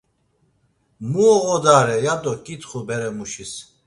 Mu oğodare? ya do ǩitxu bere muşis.